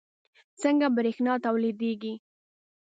څنګه بریښنا تولیدیږي